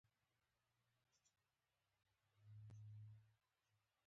اکسیجن د ټولو ژوندیو موجوداتو لپاره مهمه ماده ده.